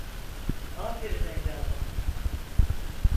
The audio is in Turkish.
Aferin evladım…